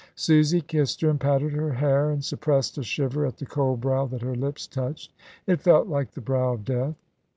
Susie kissed her and patted her hair, and suppressed a shiver at the cold brow that her lips touched. It felt like the brow of death.